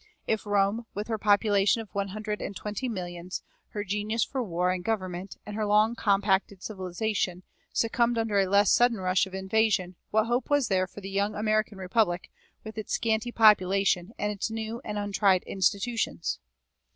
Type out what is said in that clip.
If Rome, with her population of one hundred and twenty millions, her genius for war and government, and her long compacted civilization, succumbed under a less sudden rush of invasion, what hope was there for the young American Republic, with its scanty population and its new and untried institutions?